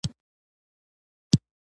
• سهار د نوې ورځې پیل دی.